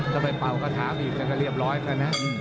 ก็ไปเปากระท้าพรีบกันกันเรียบร้อยกันนะ